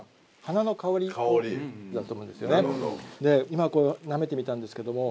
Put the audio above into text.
今なめてみたんですけども。